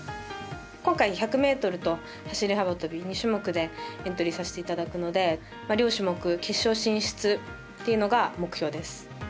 今回１００ｍと走り幅跳び２種目でエントリーさせていただいたので両種目決勝進出というのが目標です。